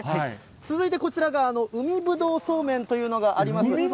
続いてこちらが海ぶどうそうめんというのがあります。